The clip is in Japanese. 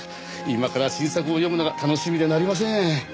今から新作を読むのが楽しみでなりません。